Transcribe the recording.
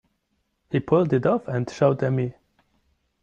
He pulled it off and showed 'em me.